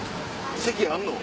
席あんの？